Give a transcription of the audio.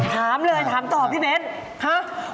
ถามเลยถามต่อไอพี่เมศ